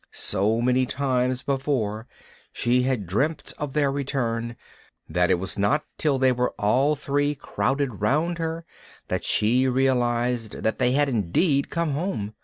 So many times before she had dreamt of their return, that it was not till they all three crowded round her that she realised that they had indeed come home.